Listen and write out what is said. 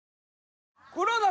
黒田